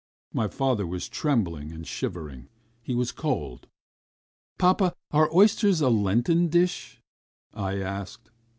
My father was trembling and shivering. He was cold ... "Papa, are oysters a Lenten dish?" I asked.